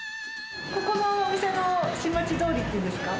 ここのお店のしんまち通りっていうんですか？